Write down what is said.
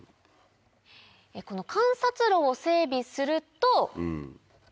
この観察路を整備すると。